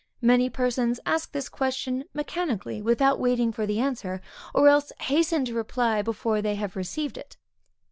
Many persons ask this question mechanically, without waiting for the answer, or else hasten to reply, before they have received it.